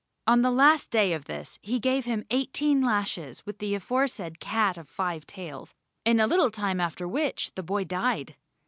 On the last day of this he gave him eighteen lashes with the aforesaid cat of five tails, in a little time after which the boy died.